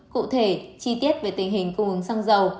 cụ thể chi tiết về tình hình cung ứng xăng dầu